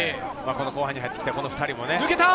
後半に入ってきた、この２人も。